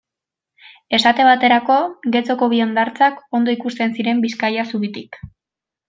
Esate baterako, Getxoko bi hondartza ondo ikusten ziren Bizkaia zubitik.